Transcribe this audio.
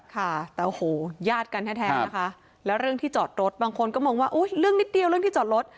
ค่ะแต่โอ้โหญาติกันแท้นะคะแล้วเรื่องที่จอดรถบางคนก็มองว่าอุ้ยเรื่องนิดเดียวเรื่องที่จอดรถ